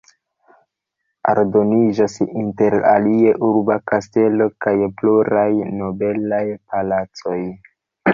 Aldoniĝas inter alie urba kastelo kaj pluraj nobelaj palacoj.